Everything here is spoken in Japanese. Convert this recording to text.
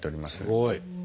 すごい。